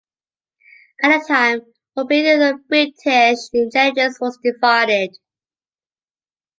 At the time, opinion within British intelligence was divided.